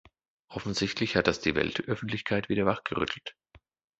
Offensichtlich hat das die Weltöffentlichkeit wieder wachgerüttelt.